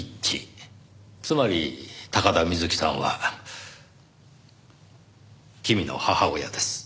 つまり高田みずきさんは君の母親です。